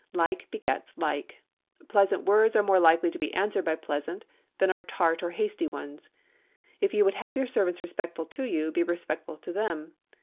Like begets like. Pleasant words are more likely to be answered by pleasant than are tart or hasty ones. If you would have your servants respectful to you, be respectful to them.